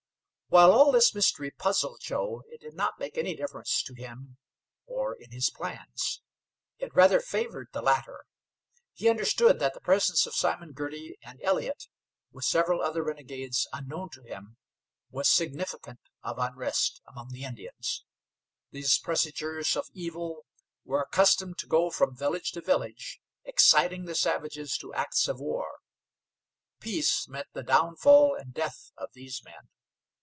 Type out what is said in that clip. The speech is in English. While all this mystery puzzled Joe, it did not make any difference to him or in his plans. It rather favored the latter. He understood that the presence of Simon Girty and Elliott, with several other renegades unknown to him, was significant of unrest among the Indians. These presagers of evil were accustomed to go from village to village, exciting the savages to acts of war. Peace meant the downfall and death of these men.